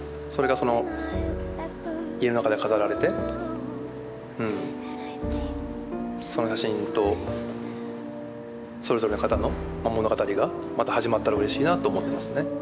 それがその家の中で飾られてうんその写真とそれぞれの方の物語がまた始まったらうれしいなと思ってますね。